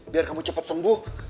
biar kamu cepat sembuh